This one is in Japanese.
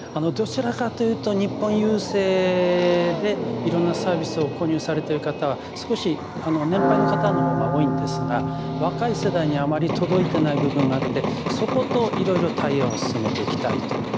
どちらかというと日本郵政でいろんなサービスを購入されてる方は少し年配の方のほうが多いんですが若い世代にあまり届いてない部分があってそこといろいろ対話を進めていきたいと。